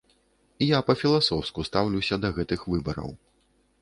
Я па-філасофску стаўлюся да гэтых выбараў.